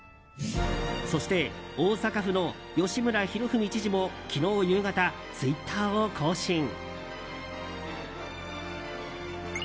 そして、大阪府の吉村洋文知事も昨日夕方ツイッターを更新。